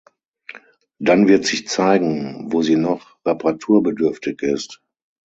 Dann wird sich zeigen, wo sie noch reparaturbedürftig ist.